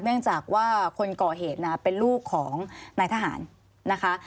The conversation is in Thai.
เนื่องจากว่าคนก่อเหตุนะเป็นลูกของนายทหารนะคะ